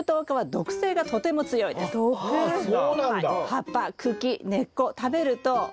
葉っぱ茎根っこ食べると嘔吐します。